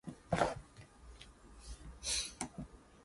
The game lasts for seven in-game days, Monday through Sunday.